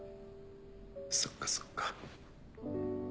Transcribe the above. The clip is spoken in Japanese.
そっかそっか。